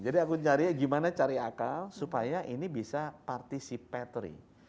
jadi aku cari gimana cari akal supaya ini bisa participatory